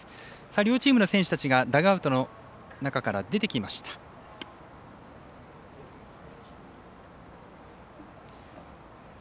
両チームの選手たちがダグアウトの中から出てきました。